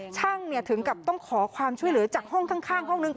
ช่างถึงกับต้องขอความช่วยเหลือจากห้องข้างห้องนึง